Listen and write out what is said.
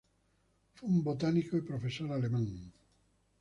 Fue un botánico y profesor alemán.